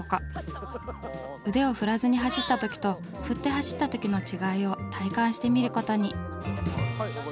腕を振らずに走った時と振って走った時の違いを体感してみることに。